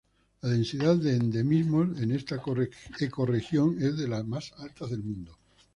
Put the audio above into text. La densidad de endemismos en esta ecorregión es de las más altas del mundo.